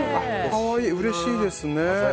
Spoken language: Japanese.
可愛い、うれしいですね。